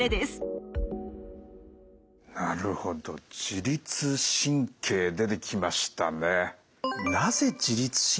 なるほど自律神経出てきましたね。